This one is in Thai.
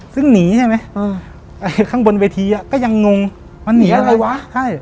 ซึ่งหนีใช่ไหมอ่าไอ้ข้างบนเวทีอ่ะก็ยังงงมันหนีอะไรวะใช่